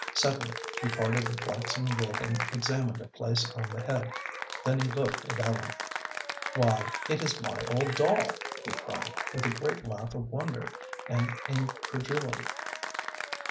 Suddenly he parted the flaxen wig and examined a place on the head. Then he looked at Ellen. "Why, it is my old doll," he cried, with a great laugh of wonder and incredulity.